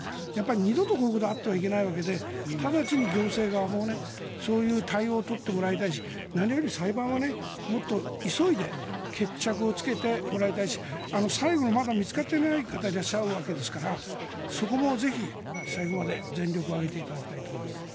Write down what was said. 二度とこういうことはあってはいけないわけで直ちに行政側も、そういう対応を取ってもらいたいし何より裁判はもっと急いで決着をつけてもらいたいし最後のまだ見つかってない方がいらっしゃるわけですからそこもぜひ、最後まで全力を挙げていただきたいと思います。